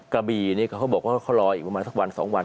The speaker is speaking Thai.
กะบีนี่เขาบอกว่าเขารออีกประมาณสักวัน๒วัน